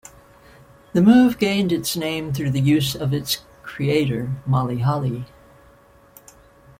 The move gained its name through the use of its creator, Molly Holly.